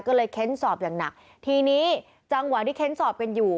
ก็เลยเค้นสอบอย่างหนักทีนี้จังหวะที่เค้นสอบกันอยู่